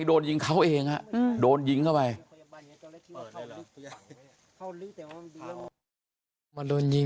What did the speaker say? ตรงสะพานข้างล่างนี้ก่อนเลยใช่มั้ย